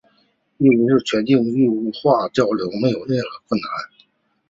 义乌市全境内用义乌话交流没有任何困难。